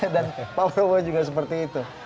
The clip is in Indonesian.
dan pak robo juga seperti itu